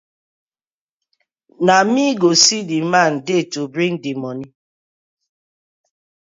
Na mi go see the man dey to bting dii moni.